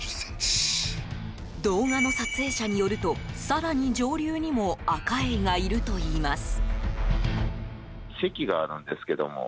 動画の撮影者によると更に上流にもアカエイがいるといいます。